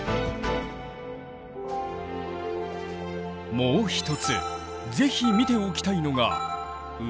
もう一つ是非見ておきたいのが宇土櫓。